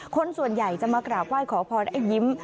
คนส่วนใหญ่จะมากราบไหว้ขอพรไอ้ยิ้ม